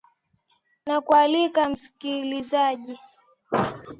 na kualika msikilizaji